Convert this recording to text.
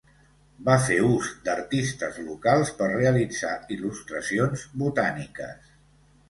Va fer ús d'artistes locals per realitzar il·lustracions botàniques.